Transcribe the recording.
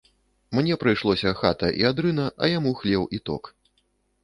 Мне прыйшлося хата і адрына, а яму хлеў і ток.